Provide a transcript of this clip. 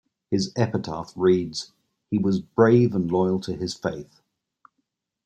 His epitaph reads, He was brave and loyal to his faith.